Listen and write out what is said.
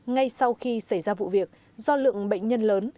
ngay sau khi xảy ra vụ việc do lượng bệnh nhân lớn